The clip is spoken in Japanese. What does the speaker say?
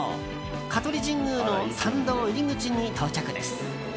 香取神宮の参道入り口に到着です。